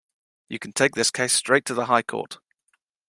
You can take this case straight to the High Court.